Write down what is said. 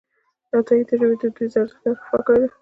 عطایي د ژبې د دودیزو ارزښتونو دفاع کړې ده.